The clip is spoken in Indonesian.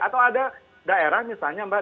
atau ada daerah misalnya mbak